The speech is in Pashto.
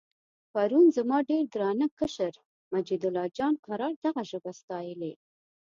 پرون زما ډېر درانه کشر مجیدالله جان قرار دغه ژبه ستایلې.